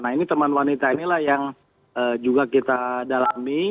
nah ini teman wanita inilah yang juga kita dalami